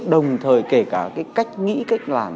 đồng thời kể cả cách nghĩ cách làm